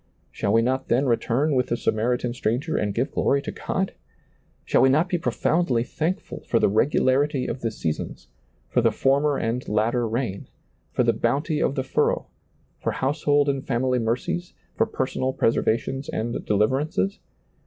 Shall we not then re turn with the Samaritan stranger and give glory to God ? Shall we not be profoundly thankful for the regularity of the seasons, for the former and latter rain, for the bounty of the furrow, for household and family mercies, for personal pres ervations and deliverances